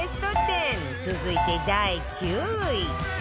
続いて第９位